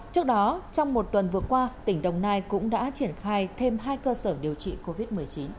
trước đó trong một tuần vừa qua tỉnh đồng nai cũng đã triển khai thêm hai cơ sở điều trị covid một mươi chín